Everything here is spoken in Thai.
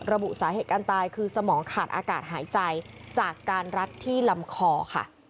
ระบุสาเหตุการตายคือสมองขาดอากาศหายใจจากการรัดที่ลำคอค่ะ